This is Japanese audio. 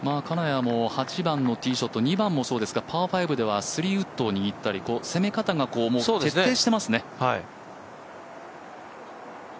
金谷も８番のティーショット２番もそうですがパー５ではスリーウッドにいったり攻め方が徹底していますね。